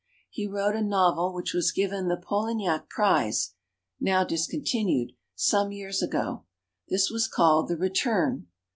He wrote a novel which was given the Polignac prize (now discontinued) some years ago. This was called "The Return".